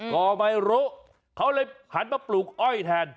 ก็ไม่รู้เขาเลยหันมาปลูกอ้อยแทน